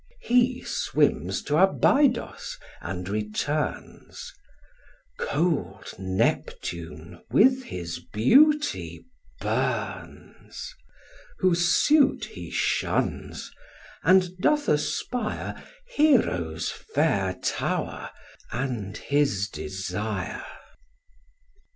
He swims t' Abydos, and returns: Cold Neptune with his beauty burns; Whose suit he shuns, and doth aspire Hero's fair tower and his desire.